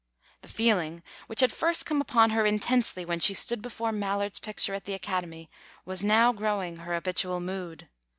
The feeling which had first come upon her intensely when she stood before Mallard's picture at the Academy was now growing her habitual mood.